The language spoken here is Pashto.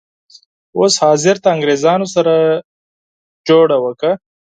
اوس حاضر د انګریزانو سره جوړه وکړه.